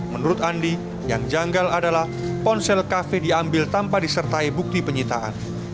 menurut andi yang janggal adalah ponsel kafe diambil tanpa disertai bukti penyitaan